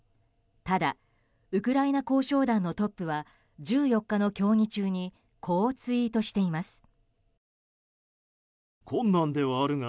ただウクライナ交渉団のトップは１４日の協議中にこうツイートしています。